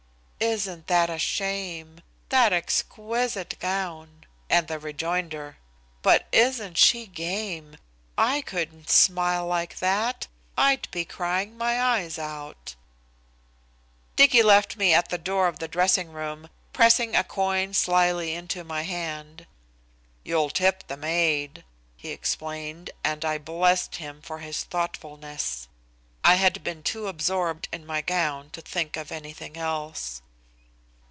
"Isn't that a shame that exquisite gown?" and the rejoinder. "But isn't she game? I couldn't smile like that I'd be crying my eyes out" Dicky left me at the door of the dressing room, pressing a coin slyly into my hand. "You'll tip the maid," he explained, and I blessed him for his thoughtfulness. I had been too absorbed in my gown to think of anything else.